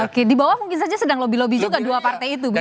oke di bawah mungkin saja sedang lobby lobby juga dua partai itu begitu